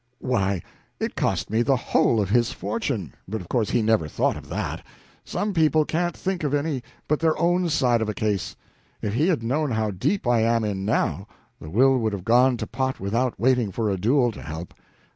Why, it cost me the whole of his fortune but of course he never thought of that; some people can't think of any but their own side of a case. If he had known how deep I am in, now, the will would have gone to pot without waiting for a duel to help.